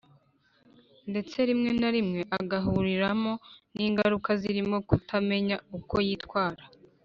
ndetse rimwe na rimwe agahuriramo n’ingaruka zirimo kutamenya uko yitwara